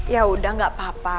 ya udah gak apa apa